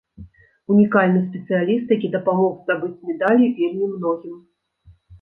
Унікальны спецыяліст, які дапамог здабыць медалі вельмі многім.